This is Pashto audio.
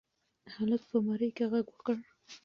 هلک په مرۍ کې غږ وکړ.